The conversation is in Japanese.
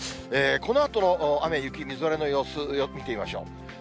このあとの雨、雪、みぞれの様子、見てみましょう。